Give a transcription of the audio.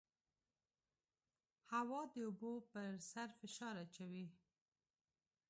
هوا د اوبو پر سر فشار اچوي.